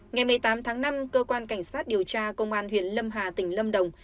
ngày một mươi tám tháng năm cơ quan cảnh sát điều tra công an huyện lâm hà tỉnh lâm đồng